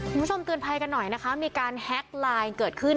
เตือนภัยกันหน่อยนะคะมีการแฮ็กไลน์เกิดขึ้น